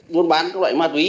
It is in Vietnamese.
buôn bán các loại ma túy